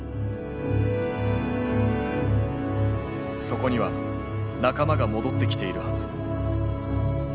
そこには仲間が戻ってきているはず。